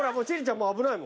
もう危ないもん。